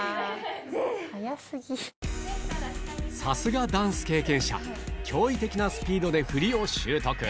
さすがダンス経験者驚異的なスピードで振りを習得